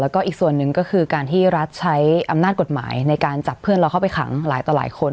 แล้วก็อีกส่วนหนึ่งก็คือการที่รัฐใช้อำนาจกฎหมายในการจับเพื่อนเราเข้าไปขังหลายต่อหลายคน